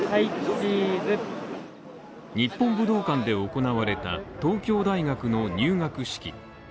日本武道館で行われた東京大学の入学式。